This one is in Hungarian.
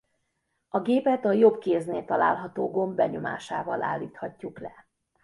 A gépet a jobb kéznél található gomb benyomásával állíthatjuk le.